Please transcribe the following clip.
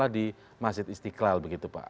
di masjid istiqlal begitu pak